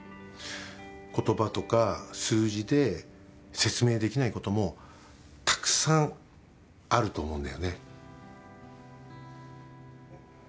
言葉とか数字で説明できないこともたくさんあると思うんだよね。